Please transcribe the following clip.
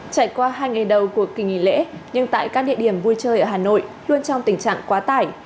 trải qua hai ngày đầu của kỳ nghỉ lễ nhưng tại các địa điểm vui chơi ở hà nội luôn trong tình trạng quá tải